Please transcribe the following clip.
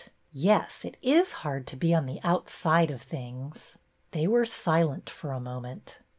Yes, it is hard to be on the outside of things." They were silent for a moment.